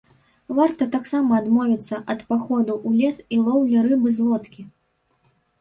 Варта таксама адмовіцца ад паходу ў лес і лоўлі рыбы з лодкі.